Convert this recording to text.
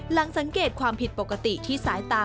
หลังสังเกตความผิดปกติที่สายตา